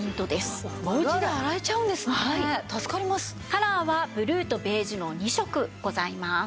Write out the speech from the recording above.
カラーはブルーとベージュの２色ございます。